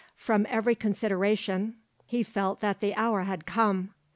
From every consideration he felt that the hour had come.